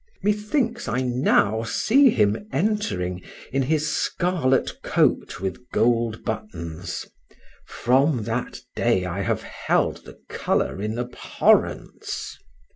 Methinks I now see him entering, in his scarlet coat with gold buttons from that day I have held the color in abhorrence.